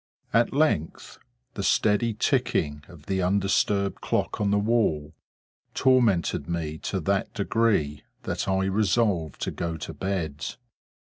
At length, the steady ticking of the undisturbed clock on the wall, tormented me to that degree that I resolved to go to bed.